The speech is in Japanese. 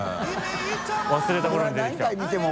忘れた頃に出てきた。